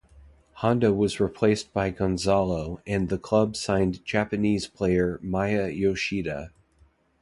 Honda was replaced by Gonzalo and the club signed Japanese player Maya Yoshida.